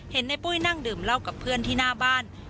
เห็นในปุ้ยนั่งดื่มเหล้ากับเพื่อนที่หน้าบ้าน